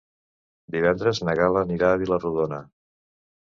Divendres na Gal·la anirà a Vila-rodona.